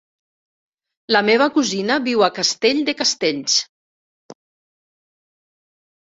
La meva cosina viu a Castell de Castells.